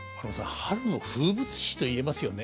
春の風物詩と言えますよね。